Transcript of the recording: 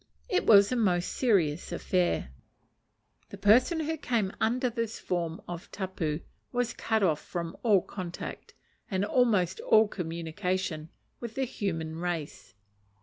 It was a most serious affair. The person who came under this form of the tapu was cut off from all contact, and almost all communication, with the human race.